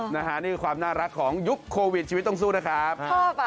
นี่คือความน่ารักของยุคโควิดชีวิตต้องสู้นะครับ